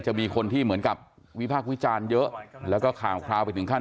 จะมีคนที่เหมือนกับวิภาควิจารณ์เยอะแล้วก็ขาวไปถึงขั้น